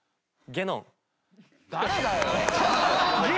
ゲノン。